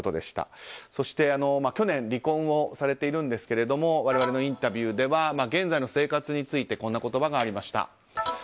そして去年、離婚をされているんですが我々のインタビューでは現在の生活についてこんな言葉がありました。